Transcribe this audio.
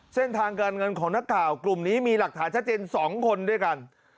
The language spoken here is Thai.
เส้นทางการเงินของนักข่าวกลุ่มนี้มีหลักฐานชัดเจน๒คนด้วยกัน